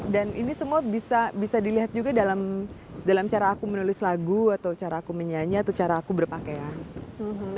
dan ini semua bisa dilihat juga dalam cara aku menulis lagu atau cara aku menyanyi atau cara aku berpakaian